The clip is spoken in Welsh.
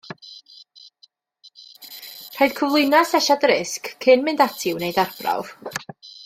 Rhaid cyflwyno asesiad risg cyn mynd ati i wneud arbrawf